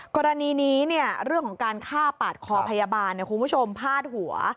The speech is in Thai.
กรณีนี้เรื่องของการฆ่าปาดคอพยาบาลคุณผู้ชมพาดหัว